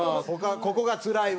「ここがつらいわ」。